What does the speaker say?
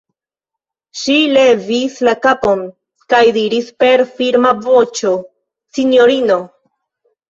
Ŝi levis la kapon kaj diris per firma voĉo: -- Sinjorino!